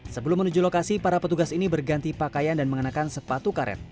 sebelum menuju lokasi para petugas ini berganti pakaian dan mengenakan sepatu karet